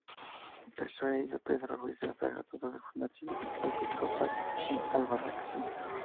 Pese a ello, Pedro Ruiz de Azagra, trató de fundar silla episcopal en Albarracín.